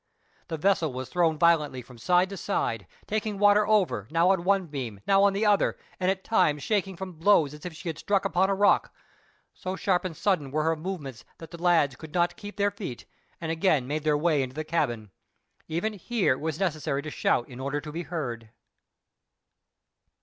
The vessel was thrown violently from side to side, taking water over, now on one beam now on the other, and at times shaking from blows as if she had struck upon a rock. So sharp and sudden were her movements that the lads could not keep their feet, and again made their way into the cabin. Even here it was necessary to shout in order to be heard.